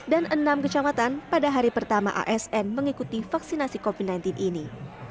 dan enam kecamatan pada hari pertama asn mengikuti vaksinasi covid sembilan belas ini